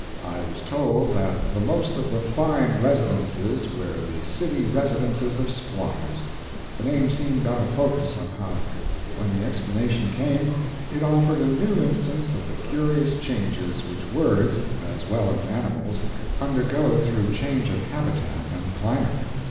I was told that the most of the fine residences were the city residences of squatters. The name seemed out of focus somehow. When the explanation came, it offered a new instance of the curious changes which words, as well as animals, undergo through change of habitat and climate.